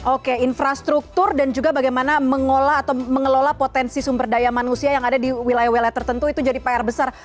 oke infrastruktur dan juga bagaimana mengelola atau mengelola potensi sumber daya manusia yang ada di wilayah wilayah tertentu itu jadi pr besar